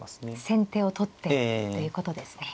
先手を取ってということですね。